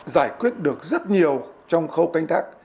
giải quyết được rất nhiều trong khâu canh tác